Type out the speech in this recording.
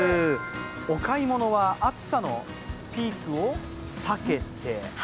お買い物は暑さのピークを避けて。